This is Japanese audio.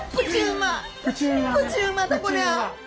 プチうまだこりゃ！